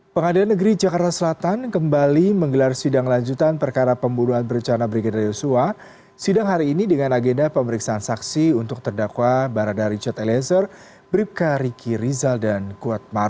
pengadilan negeri jakarta selatan kembali menggelar sidang lanjutan perkara pembunuhan bercana brigadir yosua